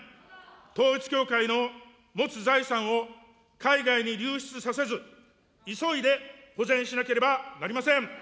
統一教会の持つ財産を海外に流出させず、急いで保全しなければなりません。